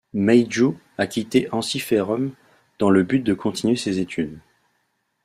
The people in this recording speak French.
Meiju a quitté Ensiferum dans le but de continuer ses études.